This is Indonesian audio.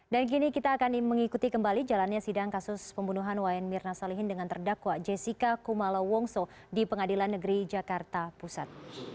kini kita akan mengikuti kembali jalannya sidang kasus pembunuhan wayan mirna salihin dengan terdakwa jessica kumala wongso di pengadilan negeri jakarta pusat